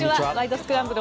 スクランブル」